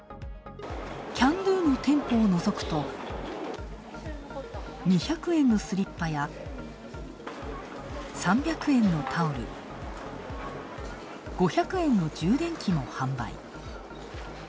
キャンドゥの店舗をのぞくと２００円のスリッパや３００円のタオル、５００円の充電器も販売。